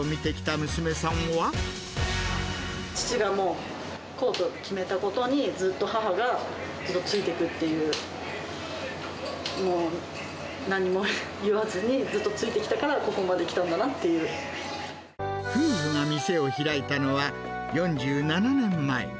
父がもう、こうと決めたことにずっと母がずっとついていくという、もう、何も言わずに、ずっとついてきたから、ここまできたんだなってい夫婦が店を開いたのは、４７年前。